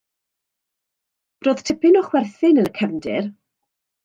Roedd tipyn o chwerthin yn y cefndir.